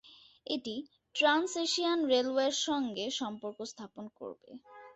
এটি trans Asian রেলওয়ের সঙ্গে সম্পর্ক স্থাপন করবে।